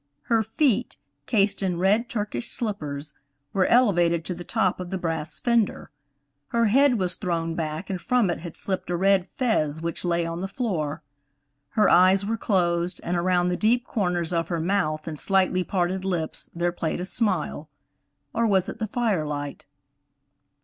Her feet, cased in red Turkish slippers, were elevated to the top of the brass fender; her head was thrown back and from it had slipped a red fez which lay on the floor; her eyes were closed, and around the deep corners of her mouth and slightly parted lips there played a smile–or was it the firelight?